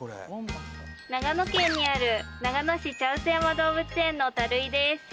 長野県にある長野市茶臼山動物園の樽井です